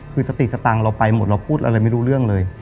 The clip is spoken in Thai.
คือสติสตังค์เราไปหมดเราพูดอะไรไม่รู้เรื่องเลย